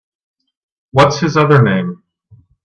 What’s his other name?